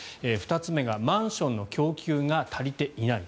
２つ目がマンションの供給が足りていない。